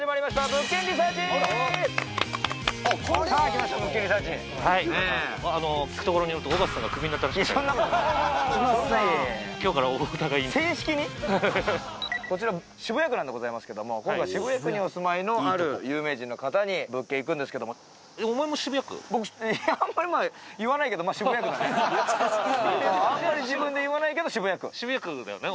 物件リサーチはいあのそんなことないこちら渋谷区なんでございますけども今回渋谷区にお住まいのある有名人の方に物件行くんですけども僕いやあんまりまああんまり自分で言わないけど渋谷区渋谷区だよね